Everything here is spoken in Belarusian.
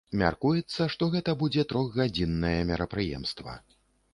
Мяркуецца, што гэта будзе трохгадзіннае мерапрыемства.